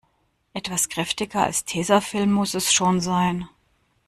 Etwas kräftiger als Tesafilm muss es schon sein.